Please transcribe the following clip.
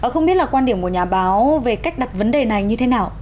không biết là quan điểm của nhà báo về cách đặt vấn đề này như thế nào